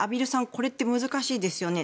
これって難しいですよね。